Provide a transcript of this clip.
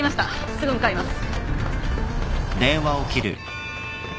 すぐ向かいます。